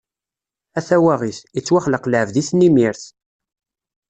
A tawaɣit, ittwaxleq lɛebd i tnimirt.